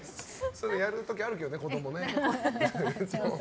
やる時あるけどね、子供ね。